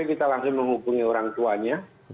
kita langsung menghubungi orang tuanya